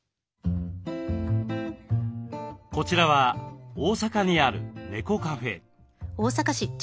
こちらは大阪にある猫カフェ。